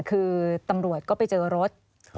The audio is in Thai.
คือตำรวจก็ไปเจอรถ